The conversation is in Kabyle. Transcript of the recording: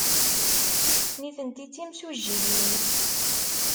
Nitenti d timsujjiyin.